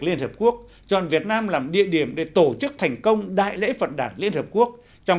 bộ ngoại giao việt nam làm địa điểm để tổ chức thành công đại lễ phận đảng liên hợp quốc trong